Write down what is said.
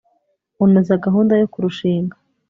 unoza gahunda yo kurushinga